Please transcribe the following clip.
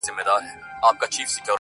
د ايمان نوره انتها د کمزورۍ څنګه وي